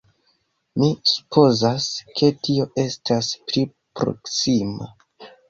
Mi supozas ke tio estas pli proksima.